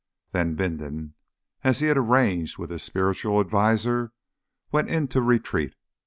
Then Bindon, as he had arranged with his spiritual adviser, went into retreat.